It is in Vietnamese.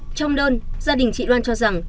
trong đơn gia đình chị loan cho rằng